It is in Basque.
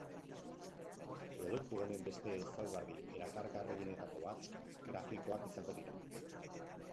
Produktu honen beste ezaugarri erakargarrienetako bat grafikoak izango dira.